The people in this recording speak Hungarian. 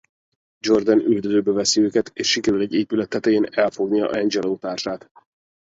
Jordan üldözőbe veszi őket és sikerül egy épület tetején elfognia Angelo társát.